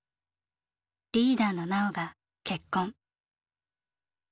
リーダーのＮａｏ☆が結婚。